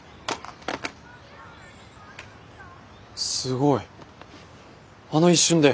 すごいあの一瞬で！